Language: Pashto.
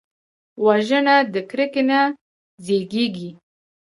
وژنه د کرکې نه زیږېږي